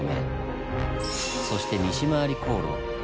そして西廻り航路。